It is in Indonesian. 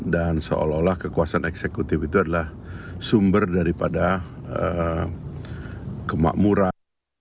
dan seolah olah kekuasaan eksekutif itu adalah sumber daripada kemakmuran